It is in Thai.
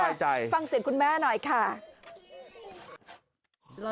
ฟังเสียงคุณแม่หน่อยค่ะ